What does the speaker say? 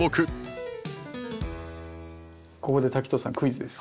ここで滝藤さんにクイズです。